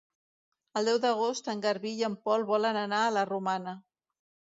El deu d'agost en Garbí i en Pol volen anar a la Romana.